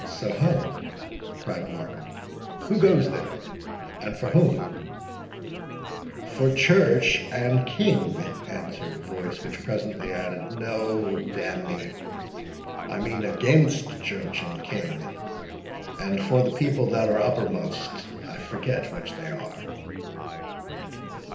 "So ho!" cried Markham, "who goes there, and for whom?" "For Church and King," answered a voice, which presently added, "No, d—n me—I mean against Church and King, and for the people that are uppermost—I forget which they are."